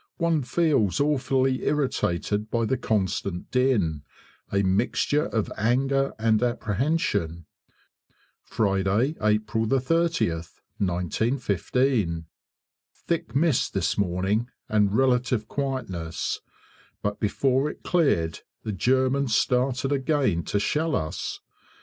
One feels awfully irritated by the constant din a mixture of anger and apprehension. Friday, April 30th, 1915. Thick mist this morning, and relative quietness; but before it cleared the Germans started again to shell us.